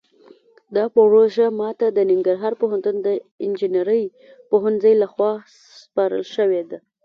دا پروژه ماته د ننګرهار پوهنتون د انجنیرۍ پوهنځۍ لخوا سپارل شوې ده